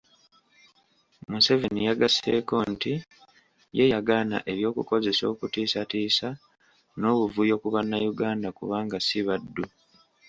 Museveni yagasseeko nti ye yagaana eby'okukozesa okutiisatiisa n'obuvuyo ku bannayuganda kubanga ssi baddu.